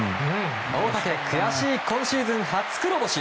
大竹、悔しい今シーズン初黒星。